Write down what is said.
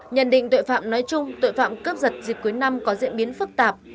nhân định tội phạm nói chung tội phạm cướp giật dịch cuối năm có diễn biến phức tạp